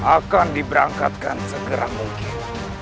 akan diberangkatkan segera mungkin